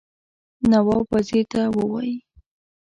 نواب وزیر ته ووايي.